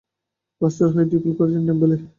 বার্সার হয়ে দুই গোল করেছেন ডেম্বেলে।